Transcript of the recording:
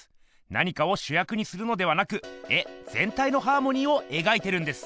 何かをしゅやくにするのではなく絵ぜんたいのハーモニーを描いてるんです！